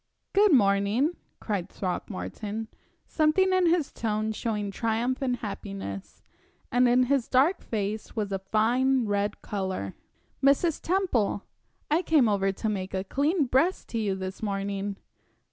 "Good morning," cried Throckmorton something in his tone showing triumph and happiness, and in his dark face was a fine red color. "Mrs. Temple, I came over to make a clean breast to you this morning!"